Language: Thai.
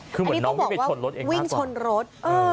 คือเหมือนน้องก็บอกว่าวิ่งชนรถ